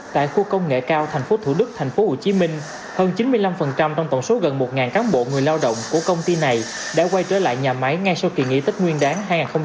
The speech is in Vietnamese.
tại khu công nghệ cao thành phố thủ đức thành phố hồ chí minh hơn chín mươi năm trong tổng số gần một cán bộ người lao động của công ty này đã quay trở lại nhà máy ngay sau kỳ nghỉ tết nguyên đáng hai nghìn hai mươi ba